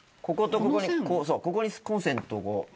こことここにここにコンセントを。